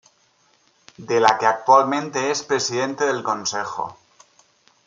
De la que actualmente es Presidente del Consejo.